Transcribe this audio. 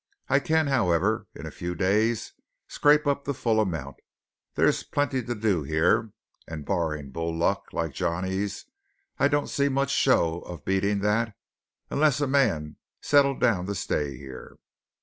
I can, however, in a few days scrape up the full amount; there is plenty to do here. And barring bull luck, like Johnny's, I don't see much show of beating that, unless a man settled down to stay here."